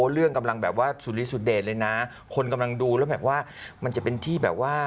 เรื่องกำลังแบบว่าสุริสุเดชเลยนะคนกำลังดูแล้วแบบว่ามันจะเป็นที่แบบว่า